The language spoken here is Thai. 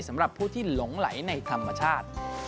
สำหรับผู้ที่หลงไหลในธรรมชาติ